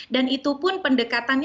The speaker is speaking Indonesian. dan itu pun pendekatan